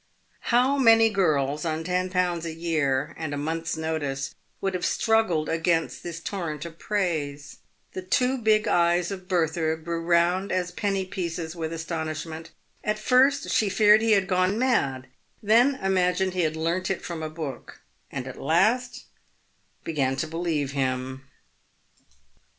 How many girls on ten pounds a year and a month's notice would have struggled against this torrent of praise ? The two big eyes of Bertha grew round as penny pieces with astonishment. At first she feared he had gone mad ; then imagined he had learnt it from a book; and, at last, began to believe him.